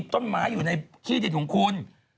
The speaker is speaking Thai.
ต้นไม้อยู่ในที่ดินของคุณ